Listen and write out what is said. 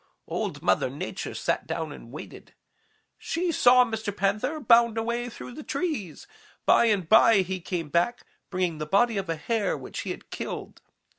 Old Mother Nature sat down and waited. She saw Mr. Panther bound away through the trees. By and by he came back, bringing the body of a Hare which he had killed.